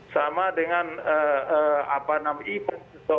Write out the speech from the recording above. sama dengan apa namanya